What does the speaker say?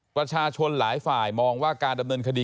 ประชาชนหลายฝ่ายมองว่าการดำเนินคดี